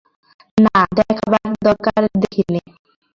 না, দেখবার দরকার দেখি নে।